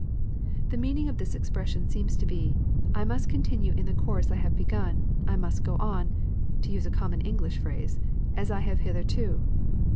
'] The meaning of this expression seems to be, " I must continue in the course I have begun, — ^I must go on, (to use a common English phrase,) as I have hitherto."